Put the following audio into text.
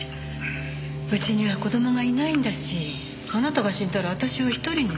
うちには子供がいないんだしあなたが死んだら私は１人に。